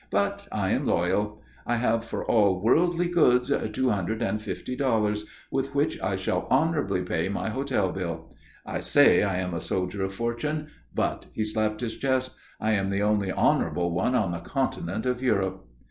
But I am loyal. I have for all worldly goods, two hundred and fifty dollars, with which I shall honorably pay my hotel bill. I say I am a soldier of Fortune. But," he slapped his chest, "I am the only honorable one on the Continent of Europe."